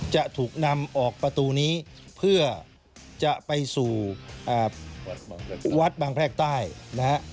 จะถูกนำออกประตูนี้เพื่อจะไปสู่วัดบางแพรกใต้นะฮะ